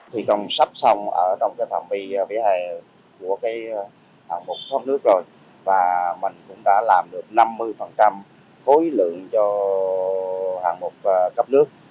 hạng mục thoát nước rồi và mình cũng đã làm được năm mươi khối lượng cho hạng mục cấp nước